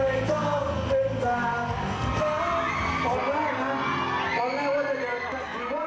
ตอนแรกนะตอนแรกว่าจะเกิด